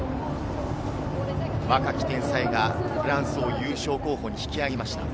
若き天才がフランスを優勝候補に引き上げました。